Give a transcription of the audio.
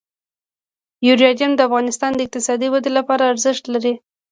یورانیم د افغانستان د اقتصادي ودې لپاره ارزښت لري.